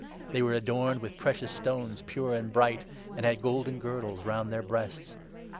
They were adorned with precious stones, pure and bright, and had golden girdles round their breasts.